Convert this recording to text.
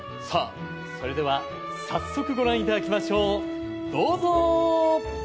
それでは、早速ご覧いただきましょう、どうぞ！